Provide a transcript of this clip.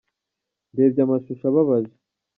Ndebye amashusho ababaje.